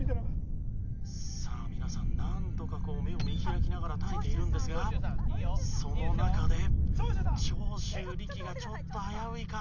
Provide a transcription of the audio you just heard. さあ皆さんなんとか目を見開きながら耐えているんですがその中で長州力がちょっと危ういか？